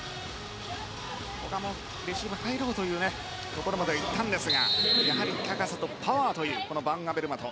レシーブ入ろうというところまでは行ったんですがやはり高さとパワーというバンアベルマト。